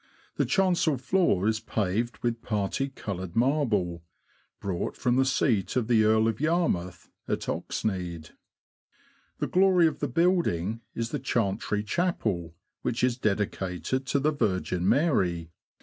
The chancel floor is paved with parti coloured marble, brought from the seat of the Earl of Yarmouth, at Oxnead. The glory of the building is the chantry chapel, which is dedicated to the Virgin Mary.